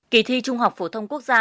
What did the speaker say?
kỳ thi trung học phổ thông quốc gia